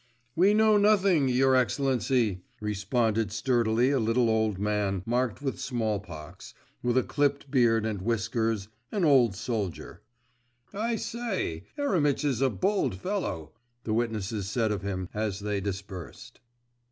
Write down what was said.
'We know nothing, your excellency,' responded sturdily a little old man, marked with small pox, with a clipped beard and whiskers, an old soldier. 'I say! Eremeitch's a bold fellow!' the witnesses said of him as they dispersed.